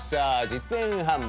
実演販売。